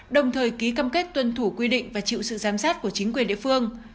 đồng thời ký cam kết tuân thủ quy định và chịu sự giám sát của chính quyền địa phương